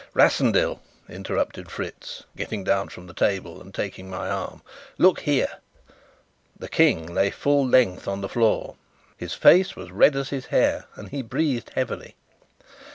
"Rassendyll," interrupted Fritz, getting down from the table and taking my arm, "look here." The King lay full length on the floor. His face was red as his hair, and he breathed heavily.